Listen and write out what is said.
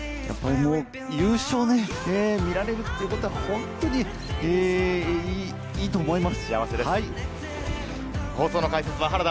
優勝を見られるっていうことは、本当にいいと思います。